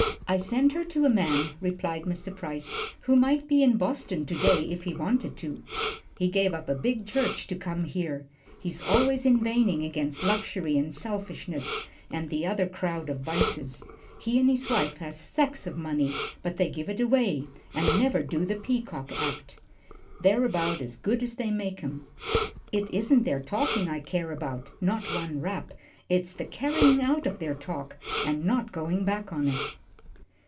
"I sent her to a man," replied Mr. Price, "who might be in Boston to day if he wanted to. He gave up a big church to come here. He's always inveighing against luxury and selfishness and the other crowd of vices. He and his wife have stacks of money, but they give it away, and never do the peacock act. They're about as good as they make 'em. It isn't their talking I care about not one rap. It's the carrying out of their talk, and not going back on it."